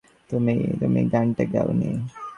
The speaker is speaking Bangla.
তুমি-তুমি গানটা গাওনি।